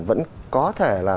vẫn có thể là